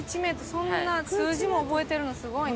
そんな数字も覚えてるのすごいね。